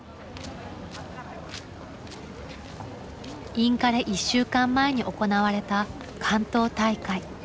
インカレ１週間前に行われた関東大会。